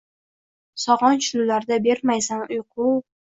Sog’inch tunlarida bermaysan uyqu